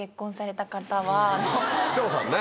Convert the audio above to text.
市長さんね。